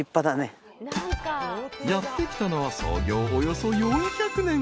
［やって来たのは創業およそ４００年］